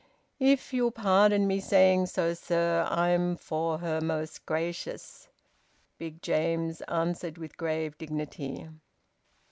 "If you'll pardon me saying so, sir, I'm for Her Most Gracious," Big James answered with grave dignity.